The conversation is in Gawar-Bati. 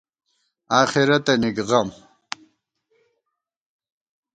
آخېرَتَنی غم